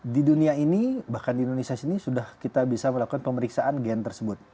di dunia ini bahkan di indonesia sini sudah kita bisa melakukan pemeriksaan gen tersebut